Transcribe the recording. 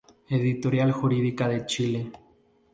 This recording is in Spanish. Editorial Jurídica de Chile.